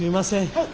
はい。